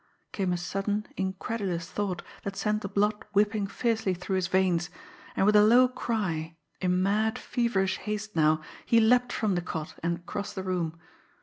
Came a sudden, incredulous thought that sent the blood whipping fiercely through his veins; and with a low cry, in mad, feverish haste now, he leaped from the cot and across the room.